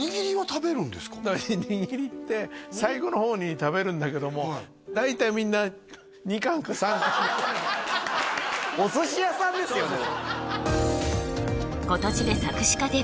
はい握りって最後の方に食べるんだけども大体みんなお寿司屋さんですよね